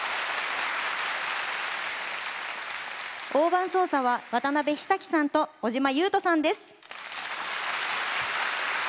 大盤操作は渡辺久記さんと小島佑斗さんです。